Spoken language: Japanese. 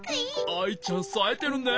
アイちゃんさえてるね。